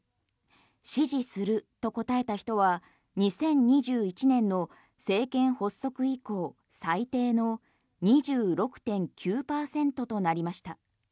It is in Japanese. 支持すると答えた人は２０２１年の政権発足以降最低の２６．９％となりました。